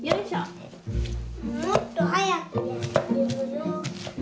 もっと早くやってるよ。